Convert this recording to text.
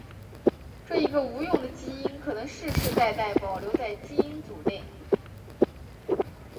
这一个无用的基因可能世世代代保留在基因组内。